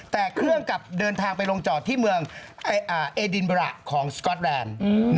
แต่เครื่องกลับเดินทางไปลงจอดที่เมืองเอดินบระของสก๊อตแลนด์